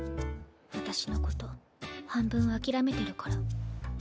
私のこと半分諦めてるから。